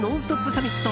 サミット。